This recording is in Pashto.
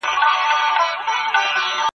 د دغو کوچنیانو ګټه دونه ډېره ده چي حساب یې نسته.